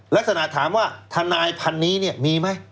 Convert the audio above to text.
ลักษณะถามว่าทนายพันนี้เนี่ยมีไหม